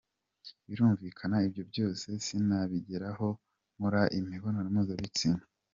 Birumvika ibyo byose sinazabigeraho nkora imibonano mpuzabitsina.